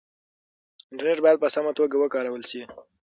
انټرنټ بايد په سمه توګه وکارول شي.